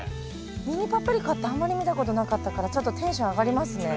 ミニパプリカってあんまり見たことなかったからちょっとテンション上がりますね。